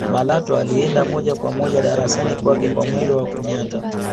malatwa alienda moja kwa moja darasani kwake kwa mwendo wa kunyata